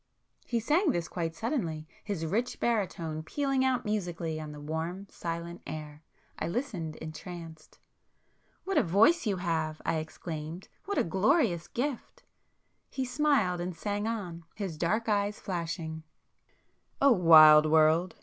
He sang this quite suddenly, his rich baritone pealing out musically on the warm silent air. I listened entranced. "What a voice you have!" I exclaimed—"What a glorious gift!" He smiled, and sang on, his dark eyes flashing— O wild world!